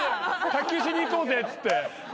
卓球しに行こうぜっつって。